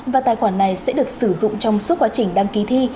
và tài khoản này sẽ được sử dụng trong suốt quá trình đăng ký thi